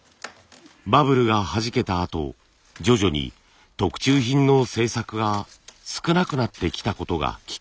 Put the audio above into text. バブルが弾けたあと徐々に特注品の製作が少なくなってきたことがきっかけでした。